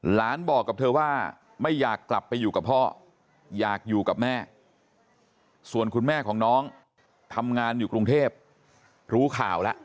หลานบอกกับเธอว่าไม่อยากกลับไปอยู่กับพ่ออยากอยู่กับแม่ส่วนคุณแม่ของน้องทำงานอยู่กรุงเทพรู้ข่าวแล้ว